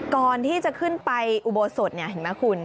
ก่อนที่จะขึ้นไปอุโบสถเนี่ยเห็นมั้ยคุณ